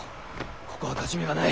ここは勝ち目がない。